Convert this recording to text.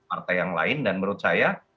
partai yang lain dan menurut saya